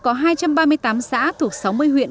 có hai trăm ba mươi tám xã thuộc sáu mươi huyện